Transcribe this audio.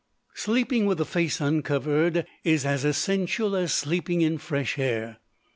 Sleeping with the face uncovered is as essential as sleeping in fresh air.